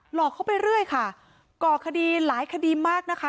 อกเข้าไปเรื่อยค่ะก่อคดีหลายคดีมากนะคะ